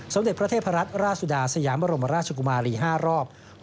สมเด็จพระเทพรัตนราชสุดาสยามบรมราชกุมารี๕รอบ